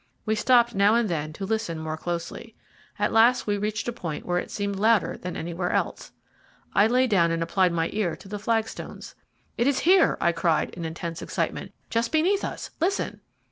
We stopped now and then to listen more closely. At last we reached a point where it seemed louder than anywhere else. I lay down and applied my ear to the stone flags. "It is here!" I cried, in intense excitement, "just beneath us. Listen!"